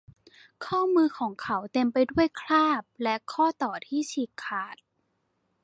ข้อมือของเขาเต็มไปด้วยคราบและข้อต่อที่ฉีกขาด